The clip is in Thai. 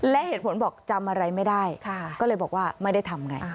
และเหตุผลบอกจำอะไรไม่ได้ก็เลยบอกว่าไม่ได้ทำไง